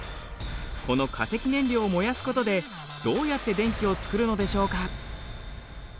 この化石燃料を燃やすことでどうやって電気を作るのでしょうか？